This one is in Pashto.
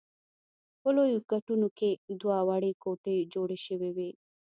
په لویو ګټونو کې دوه وړې کوټې جوړې شوې وې.